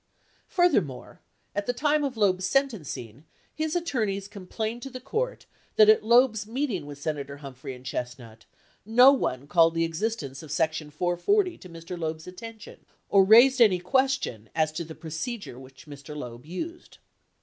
Furthermore, at the time of Loeb's sentencing, his attorneys complained to the Court that at Loeb's meeting with Senator Humphrey and Chestnut, "No one called the existence of Section 440 to Mr. Loeb's attention, or raised any question as to the procedure which Mr. Loeb used."